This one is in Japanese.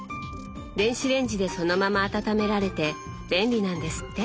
電子レンジでそのまま温められて便利なんですって。